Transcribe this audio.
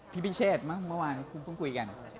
พี่พิเชฟเมื่อวานพรุ่งพรุ่งคุยกัน